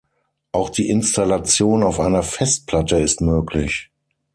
Auch die Installation auf einer Festplatte ist möglich.